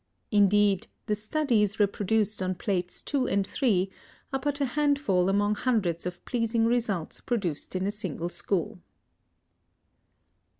Indeed, the studies reproduced on Plates II. and III. are but a handful among hundreds of pleasing results produced in a single school.